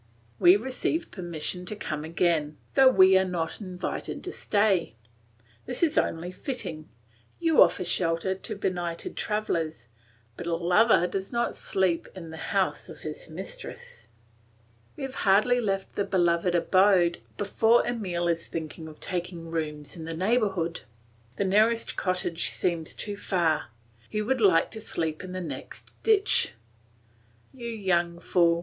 We receive permission to come again, though we are not invited to stay. This is only fitting; you offer shelter to benighted travellers, but a lover does not sleep in the house of his mistress. We have hardly left the beloved abode before Emile is thinking of taking rooms in the neighbourhood; the nearest cottage seems too far; he would like to sleep in the next ditch. "You young fool!"